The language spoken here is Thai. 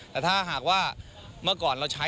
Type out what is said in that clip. แต่ถ้าหากว่าเมื่อก่อนเราใช้